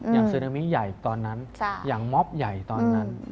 ซึนามิใหญ่ตอนนั้นอย่างม็อบใหญ่ตอนนั้น